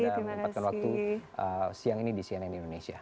ibu maureen sudah membiarkan waktu siang ini di cnn indonesia